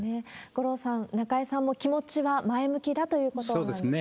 五郎さん、中居さんも気持ちは前向きだということなんですが。